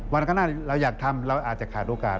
วันข้างหน้าเราอยากทำเราอาจจะขาดโอกาส